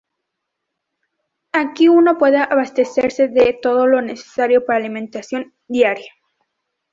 Aquí uno puede abastecerse de todo lo necesario para la alimentación diaria.